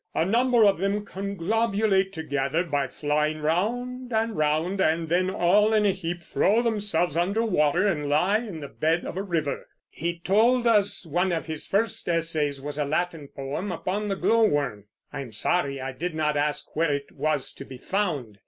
A number of them conglobulate together by flying round and round, and then all in a heap throw themselves under water and lie in the bed of a river." He told us one of his first essays was a Latin poem upon the glowworm: I am sorry I did not ask where it was to be found.